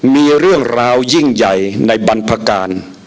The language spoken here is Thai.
มีเรื่องราวยิ่งใหญ่ในบรรพการ